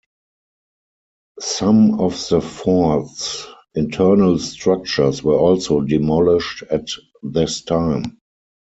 Some of the fort's internal structures were also demolished at this time.